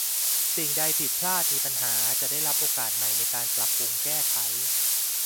สิ่งใดผิดพลาดมีปัญหาจะได้รับโอกาสใหม่ในการปรับปรุงแก้ไข